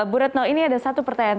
bu retno ini ada satu pertanyaan